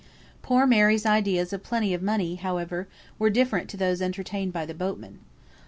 Poor Mary's ideas of "plenty of money," however, were different to those entertained by the boatmen.